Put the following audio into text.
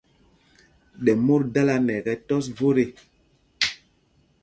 Ɗɛ mot dala nɛ ɛkɛ́ tɔ́s vot ê.